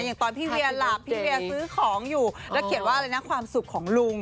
อย่างตอนพี่เวียหลับพี่เวียซื้อของอยู่แล้วเขียนว่าอะไรนะความสุขของลุง